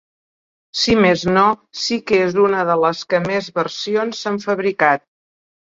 Si més no, sí que és una de les que més versions s'han fabricat.